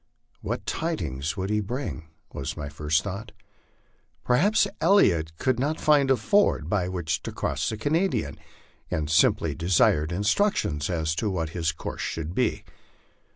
What tidings would he bring? was my first thought. Perhaps Elliot 152 LIFE ON THE PLAINS. could not find a ford by which to cross the Canadian, and simply desired in structions as to what his course should be.